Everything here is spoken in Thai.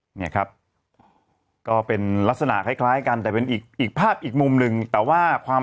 เนี่ยครับก็เป็นลักษณะคล้ายคล้ายกันแต่เป็นอีกภาพอีกมุมหนึ่งแต่ว่าความ